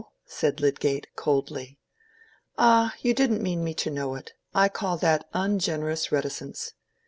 said Lydgate, coldly. "Ah, you didn't mean me to know it; I call that ungenerous reticence.